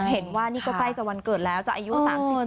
เห็นว่านี่ก็ไปจากวันเกิดแล้วจากอายุ๓๑แล้ว